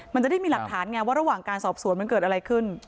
มันจะได้มีหลักฐานไงว่าระหว่างการสอบสวนมันเกิดอะไรขึ้น